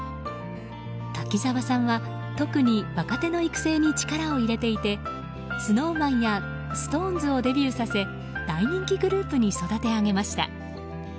滝沢さんは特に若手の育成に力を入れていてＳｎｏｗＭａｎやＳｉｘＴＯＮＥＳをデビューさせ大人気グループに育て上げました。